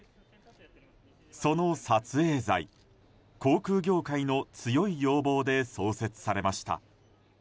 その撮影罪、航空業界の強い要望で創設されました。